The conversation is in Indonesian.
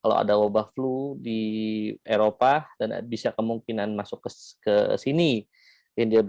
kalau ada wabah flu di eropa dan bisa kemungkinan masuk ke sini